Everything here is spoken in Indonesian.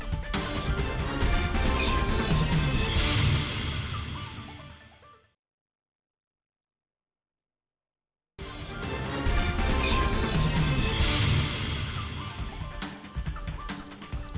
aku berharap anda juga menikmati